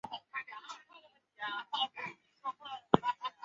米奇是禁酒时期在大西洋城的黑帮。